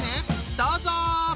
どうぞ！